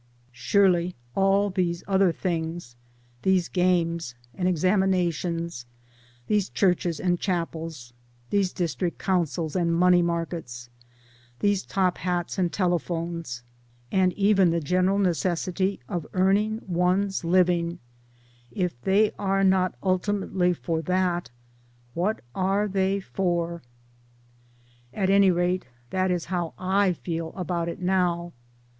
Surely all these other things these games and examinations, these churches and chapels, these district councils and money markets, these top hats and telephones and even the general necessity of earning one's living if they are not ultimately for that, what are they for? HOW THE WORLD LOOKS AT SEVENTY, 303 At any rate that is how I feel about it now.